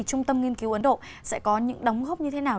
trung tâm nghiên cứu ấn độ sẽ có những đóng góp như thế nào